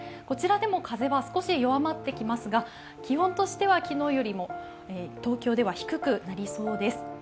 こちらでも風は少し弱まってきますが気温としては昨日よりも東京では低くなりそうです。